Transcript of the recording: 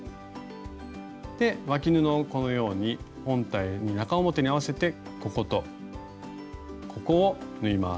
わき布をこのように本体に中表に合わせてこことここを縫います。